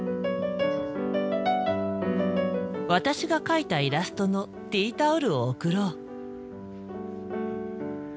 私が描いたイラストのティータオルを贈ろう。